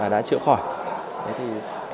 đã chữa khỏi